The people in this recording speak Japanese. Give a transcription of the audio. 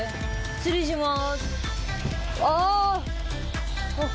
失礼します。